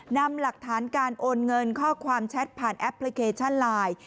นำหลักฐานการโอนเงินข้อความแชทผ่านแอปพลิเคชันไลน์